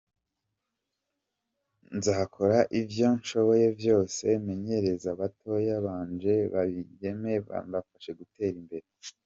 "Nzokora ivyo nshoboye vyose menyereze batoya banje b'abigeme, ndabafashe gutera imbere.